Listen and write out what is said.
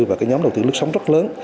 và cái nhóm đầu tư lướt sóng rất lớn